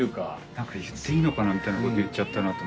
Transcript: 何か言っていいのかなみたいなこと言っちゃったなと思って。